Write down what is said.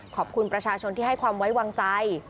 ขอบคุณประชาชนที่ให้ความไว้วางใจ